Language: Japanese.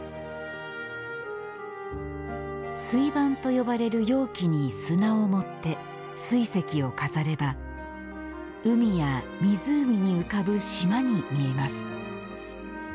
水盤と呼ばれる容器に砂を盛って水石を飾れば海や湖に浮かぶ島に見えます。